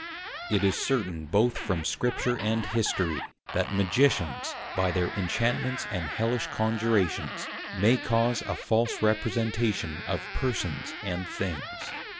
_It is certain both from Scripture and History, that Magicians by their Inchantments and Hellish Conjurations, may cause a false Representation of Persons and Things.